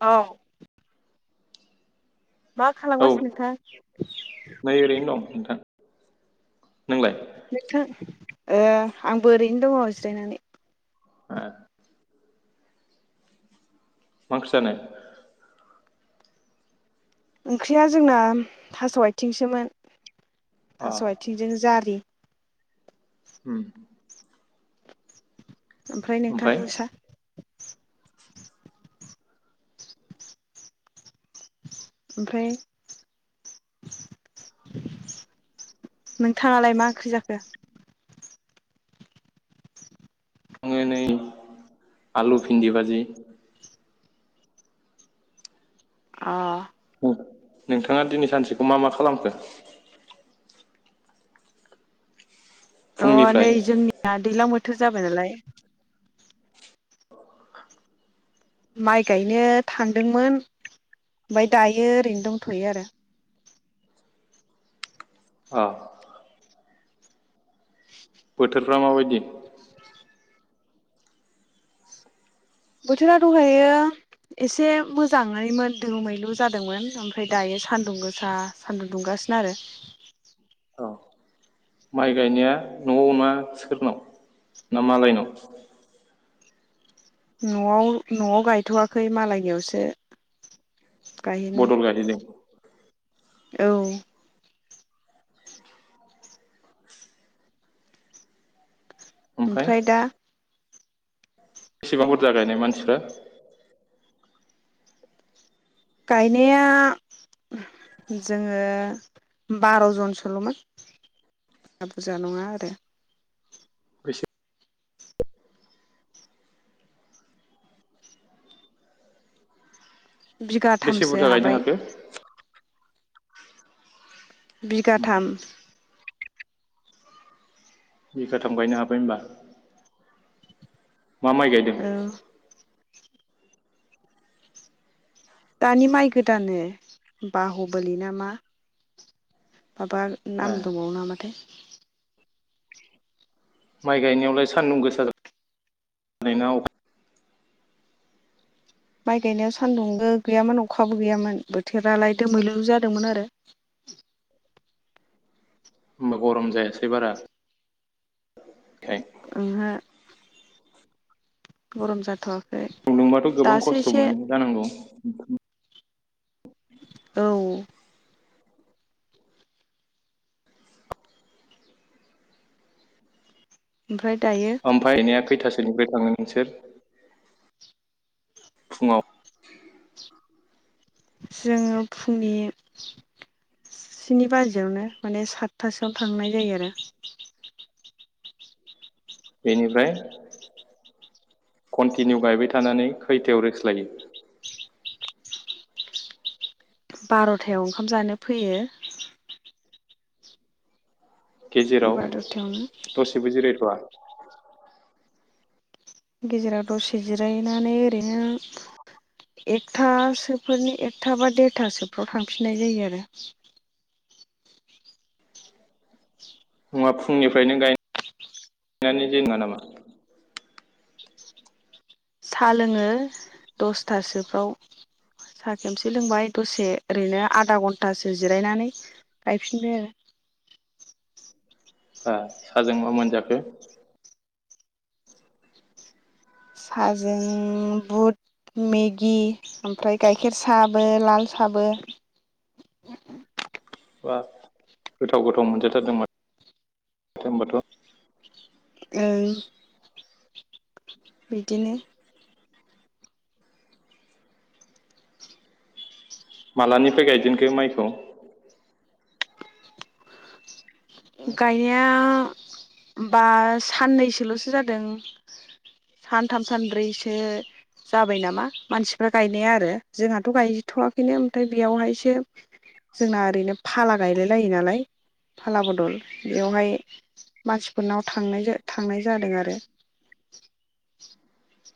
औ मा औ खालामगासिनो नोंथां? नै ओरैनो दं नोंथां नोंलाय? नोंथां ओ आंबो ओरैनो दङ जिरायनानै [unintelligible] मा ओंख्रि जानाय? ओंख्रिया जोंना थास' आथिंसोमोन। अ थास' आथिंजों जारि होम ओमफ्राय नोंथां सान ओमफ्राय नोंथाङालाय मा ओंख्रि जाखो? आङो नै आलु भिन्दि बाजि अ उम, नोंथाङा दिनै सानसेखौ मा मा खालामखो? अ फुंनिफ्राय नै जोंनिया दैज्लां बो थोर जाबाय नालाय माइ गायनो थांदोंमोन, ओमफ्राय दायो ओरैनो दंथ'यो आरो औ बोथोरफ्रा माबायदि? बोथोरा दहायो एसे मोजाङैमोन दोमैलु जादोंमोन। ओमफ्राय दायो सान्दुं गोसा सानदुं दुंगासिनो आरो औ! माइ गायनाया न'आव ना सोरनाव ना मालायनाव? न'आव न'आव गायथ'वाखै मालायनियावसो। बदल गायहैदों? औ‌। ओमफ्राय दा बिसिबां बुरजा गायनाय मानसिफोर? गायनाया जोङो बार जनसोलमोन बारा बुरजा नङा आरो बेसे बेसे बिगाथामसो बुरजा गायनो हाबाय हाखो? बिगाथाम बिगाथाम गायनो हाबाय होमबा। मा माइ गायदों? ओ दानि माइ गोदानो बाहबोलि नामा माबा ए नाम दंबावो नामाथाय माइ गायनायावलाय सान्दुं गोसा नायना अख माइ गायनायाव सान्दुंबो गैयामोन अखाबो गैयामोन बोथोरालाय दोमैलु जादोंमोन आरो होमबा गरम जायासै बारा? थें [unintelligible] ओंहो गरम जाथ दुंदोंबाथ गोबां खस्थ मोनो जानांगौ? [unintelligible] औ ओमफ्राय दायो ओमफायनाया खैथासोनिफ्राय थाङो नोंसोर? फुङाव? जोङो फुंनि स्नि बाजियावनो माने सातथासोआव थांनाय जायो आरो बेनिफ्राय कन्टिनिउ गायबाय थानानै खैथायाव रेस लायो बारथायाव ओंखाम जानो फैयो गेजेराव बार'थायावनो दसेबो जिरायथ'आ? [inaudible] गेजेराव दसे जिरायनानै ओरैनो एकथासोफोरनि एकथा बा देरथासोफ्राव थांफिननाय जायो आरो। नंङा फुंनिफ्रायनो गायनानै दोङा नामा? साहा लोङो दसथासोफ्राव साहा खेबसे लोंबाय दसे ओरैनो आधा घन्टासो जिरायनानै गायफिनबाय आरो। ओ साहाजों मा मोनजाखो? साहाजों बुट मेगि ओमफ्राय गाइखेर साबो, लाल साबो। [inaudible] बाब गोथाव गोथाव मोनजाथारदों होनबाथ'। ओं। बिदिनो। मालानिफ्राय गायजेनखो माइखौ? गायनाया बा साननैसोल'सो जादों सानथाम सानब्रैसो जाबाय नामा मानसिफ्रा गायनाया आरो। जोंहाथ गायथवाखैनो ओमफ्राय बेयावहायसो जोंना ओरैनो फाला गायलाय लायो नालाय। फाला बदल बेवहाय मानसिफोरनाव थांनाय-थांनाय जादों आरो।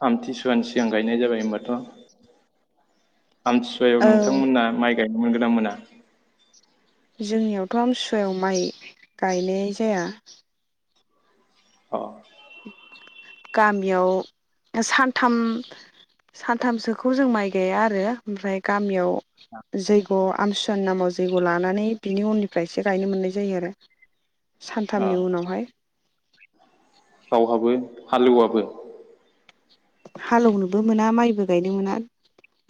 आमथिसुवानि सिगां गायनाय जाबाय होनबाथ'। आमथिसुवायाव औ नोंथांमोना माइ गाय मोनगोना मोना? जोंनियावथ' आमथिसुवायाव माइ गायनाय जाया। औ। गामियाव सानथाम सानथामसोखौ जों माइ गाया आरो ओमफ्राय गामियाव जैग' आमथिसुवानि नामाव जैग' लानानै बिनि उननिफ्राय एसे गायनो मोननाय जायो आरो अ सानथामनि उनावहाय। बहाबो हालेवाबो? हालौनोबो मोना माइबो गायनो मोना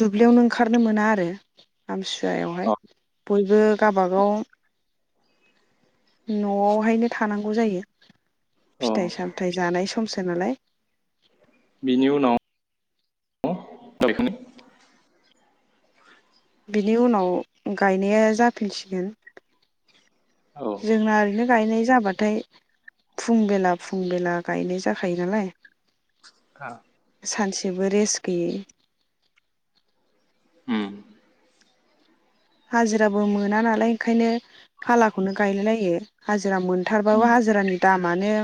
दुब्लियावनो ओंखारनो मोना आरो आमथि अ सुवायावहाय। बयबो गाव बागाव न'आवहायनो थानांगौ जायो औ फिथाइ-सामथाइ जानाय समसो नालाय। बिनि उनाव गायखां बिनि उनाव गायनाया जाफिनसिगोन औ [inaudible] जोंना ओरैनो गायनाय जाबाथाय फुं बेला फुं बेला गायनाय जाखायो नालाय सानसेबो रेस्ट गैयै। [inaudible] उम हाजिराबो मोना नालाय ओंखायनो फालाखौनो गायलाय लायो हाजिरा उम मोनथारबाबो हाजिरानि दामानो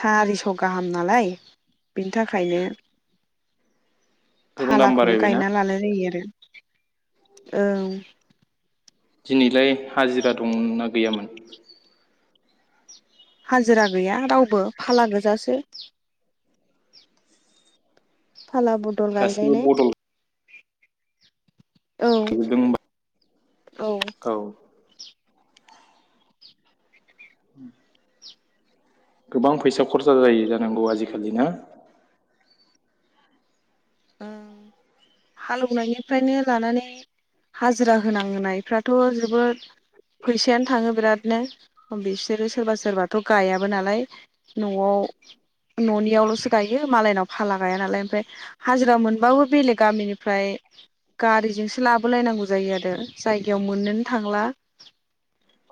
सारिस' गाहाम नालाय बिनि थाखायनो। गोबां दाम फालाखौनो बारायबायना गायना लालाय लायो आ [inaudible] औ। दिनैलाय हाजिरा दं ना गैयामोन? हाजिरा गैया रावबो फाला गोजासो। [inaudible] फाला बदल गासिबो गायलायलाय। बदल औ। जोबदों होनबा औ। गोबां फैसा खरसा जायो जानांगौ आजिखालि ना? [inaudible] हालेवनायनिफ्रायनो लानानै हाजिरा होनांनायफ्राथ' जोबोद फैसायानो थाङो बिरादनो बिसोरो सोरबा सोरबाथ' गायाबो नालाय न'आव न'नियावल'सो गायो मालायनाव फाला गाया नालाय ओमफ्राय हाजिरा मोनबाबो बेलेग गामिनिफ्राय गारिजोंसो लाबो लायनांगौ जायो आरो जायगायाव मोननोनो थांला।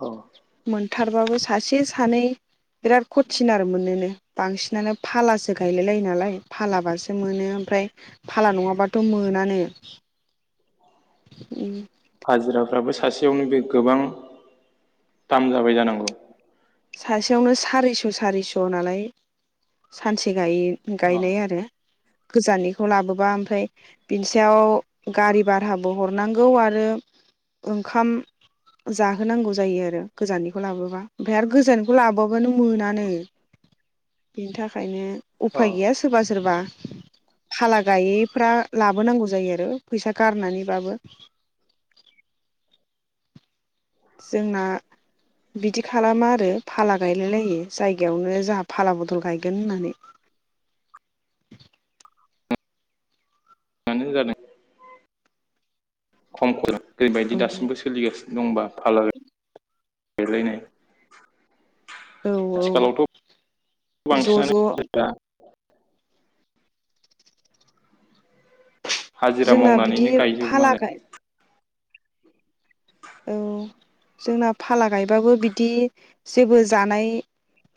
अ मोनथारबाबो सासे सानै बिराद कथिन आरो मोननोनो बांसिनानो फालासो गायलायो नालाय फालाबासो मोनो। ओमफ्राय फाला नङाब्ला थ' मोनानो। [inaudible] हाजिराफ्राबो सासेयावनो बे गोबां दाम जाबाय जानांगौ। सासेयावनो सारिस' सारिस' नालाय सानसे गायो अ गायलायय आरो। गोजाननिखौ लाबोबा ओमफ्राय बिनि सायाव गारि भाराबो हरनांगौ आरो ओंखाम जाहोनांगौ जायो आरो गोजाननिखौ लाबोबा। ओमफ्राय आरो गोजाननिखौ लाबोआबानो मोनानो बिनि थाखायनो। अ उफाय गैया सोरबा सोरबा। खाला गायैफ्रा लाबोनांगौ जायो आरो फैसा गारनानैबाबो। जोंना बिदि खालामा आरो फाला गायलायलायो जायगायावनो जोंहा फाला बदल गायगोन होननानै। मानो जादों? [unintelligible] ओरैबायदि औ दासिमबो सोलिगासिनो दंबा फाला गायलायनाय औ औ आथिखालावथ' ज' ज' बांसिनानो हाजिरा जोंना बिदि मावनानैनो गायजोबो फाला मालाय गाय औ जोंना फाला गायबाबो बिदि जेबो जानाय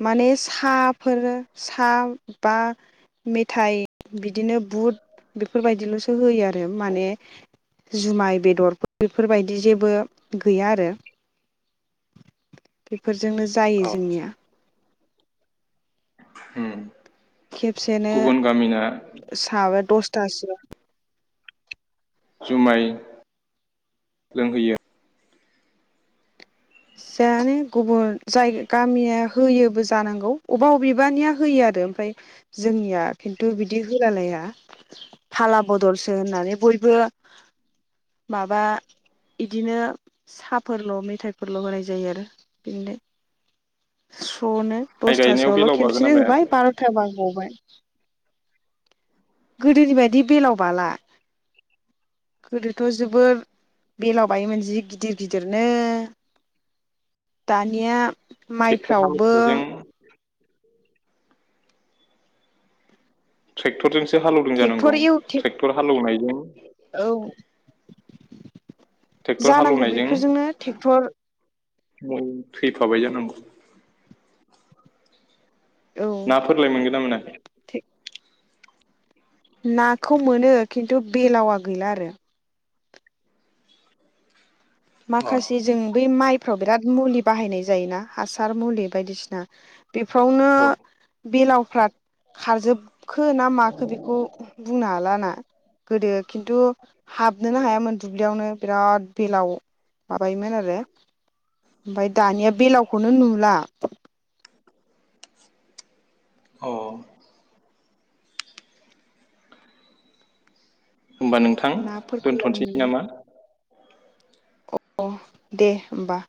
माने सा फोर सा बा मेथाइ बिदिनो बुट बेफोरबायदिल'सो होयो आरो माने जुमाय बेदरफोर बेफोरबायदि जेबो गैया आरो बेफोरजोंनो जायो औ जोंनिया। होम। खेबसेनो साबो दसथा सिबां। जुमाय लोंहैयो। जानो गुबुन जाय गामिया होयोबो जानांगौ अबा अबेबानिया होयो आरो ओमफ्राय जोंनिया खिन्थु बिदि होलालाया फाला बदलसो होननानै बयबो माबा इदिनो साफोरल' मेथाइ फोरल' होनाय जायो आरो बिदिनो। ज'नो माइ गायनायाव दसथासोआवल' बेलाव बागोना खेमसेनो होबाय बायाखै बार'था बा गबाय। गोदोनि बायदि बेलाव बाला। गोदोथ' जोबोर बेलाव बायोमोन जि गिदिर गिदिरनो। दानिया ट्रेक्टर माइफ्रावबो हालेवनायजों [inaudible] थेक्टरजों सो हालौदों जानांगौ ट्रेक्टर एव ट्रेक्टर हालौनाय [unintelligible] औ। ट्रेक्टर जानांगौ बेफोरजोंनो थेक्टर औ थैफाबाय जानांगौ। औ ना फोरलाय मोनगोन ना मोनाखै? नाखौ मोनो खिन्थु बेलावा गैला आरो अ माखासे जों बे माइ फ्राव बिराद मुलि बाहायनाय जायोना हासार मुलि बायदिसिना। बेफ्रावनो औ बेलाव फ्रा खारजोबखो ना माखो बेखौ बुंनो हाला ना। गोदो खिन्थु हाबनोनो हायामोन दुब्लियावनो बिराद बेलाव माबायोमोन आरो। ओमफाय दानिया बेलावखौनो नुला। अ अ। होनोमबा नोंथां नाफोरखौलाय दोनथ'नोसै नामा? अ दे होमबा।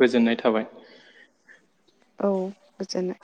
गोजोननाय थाबाय। औ गोजोननाय।